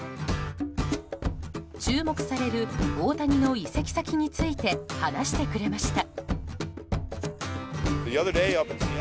注目される大谷の移籍先について話してくれました。